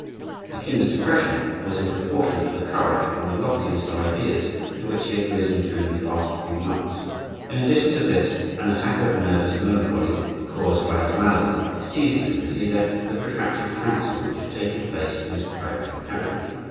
The king's depression was in proportion to the courage and the loftiness of ideas to which he had risen during the last few months. In addition to this, an attack of nervous melancholy, caused by his malady, had seized him as he left the protracted council which had taken place in his private cabinet.